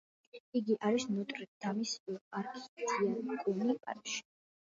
იგი არის ნოტრ დამის არქიდიაკონი, პარიზში.